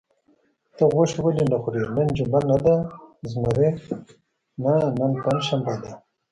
ته غوښې ولې خورې؟ نن جمعه نه ده؟ زمري: نه، نن پنجشنبه ده.